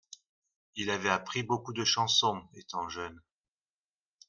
Il avait appris beaucoup de chansons étant jeune.